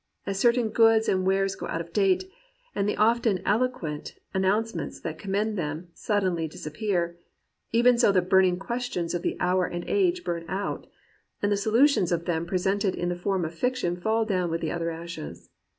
As certain goods and wares go out of date, and the often eloquent an nouncements that commended them suddenly dis appear; even so the "burning questions'* of the hour and age burn out, and the solutions of them presented in the form of fiction fall down with the other ashes.